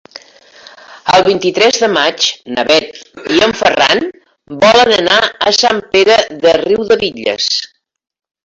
El vint-i-tres de maig na Bet i en Ferran volen anar a Sant Pere de Riudebitlles.